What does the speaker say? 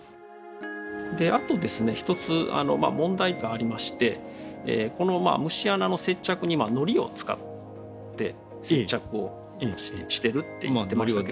あとですね一つ問題がありましてこの虫穴の接着にのりを使って接着をしてるって。